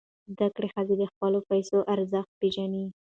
زده کړه ښځه د خپلو پیسو ارزښت پېژني.